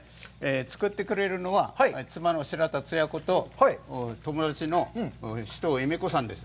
作ってくれるのは、妻の白田つや子と友達の志藤恵美子さんです。